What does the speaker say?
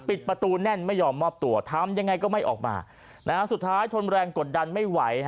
ปิดประตูแน่นไม่ยอมมอบตัวทำยังไงก็ไม่ออกมาสุดท้ายทนแรงกดดันไม่ไหว